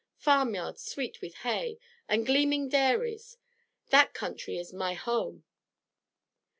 Farmyards sweet with hay, and gleaming dairies. That country is my home!'